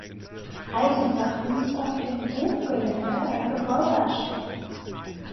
Eisenbach ließ auf den Hofgelände ein Gebäude erstellen.